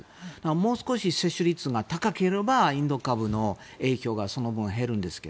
もう少し接種率が高ければインド株の影響がその分、減るんですが。